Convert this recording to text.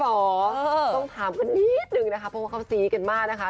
ต้องถามกันนิดนึงนะคะเพราะว่าเขาซี้กันมากนะคะ